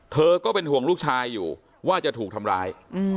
ก็เป็นห่วงลูกชายอยู่ว่าจะถูกทำร้าย